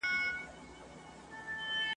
زه ستا سیوری لټومه !.